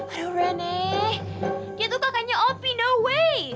aduh rene dia tuh kakaknya opi no way